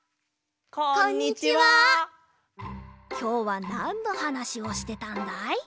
きょうはなんのはなしをしてたんだい？